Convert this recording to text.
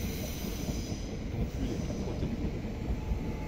Ton pull est tout crotté.